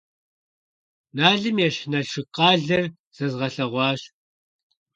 Налым ещхь Налшык къалэр зэзгъэлъэгъуащ.